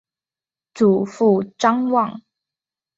祖父张旺。